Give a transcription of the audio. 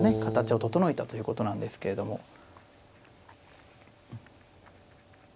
形を整えたということなんですけれども。